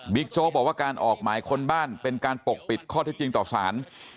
โจ๊กบอกว่าการออกหมายค้นบ้านเป็นการปกปิดข้อเท็จจริงต่อสาร